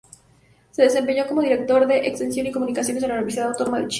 Se desempeñó como Director de Extensión y Comunicaciones de la Universidad Autónoma de Chile.